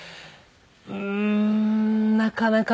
うーんなかなか。